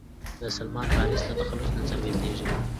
د سلمان فارسي له تخلص نه څرګندېږي.